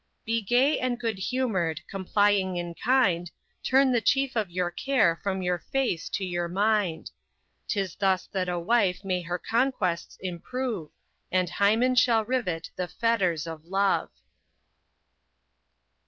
Be gay and good humour'd, complying and kind, Turn the chief of your care from your face to your mind; 'Tis thus that a wife may her conquests improve, And Hymen shall rivet the fetters of love.